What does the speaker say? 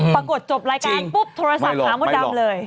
จบรายการปุ๊บโทรศัพท์หามดดำเลย